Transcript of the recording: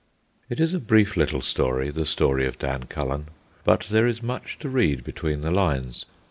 It is a brief little story, the story of Dan Cullen, but there is much to read between the lines.